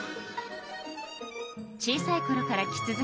小さいころから着続け